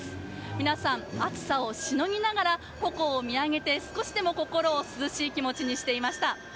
皆さん、暑さをしのきながら鉾を見上げて少しでも心を涼しい気持ちにしていました。